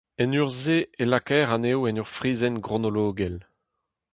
En urzh-se e lakaer anezho en ur frizenn gronologel.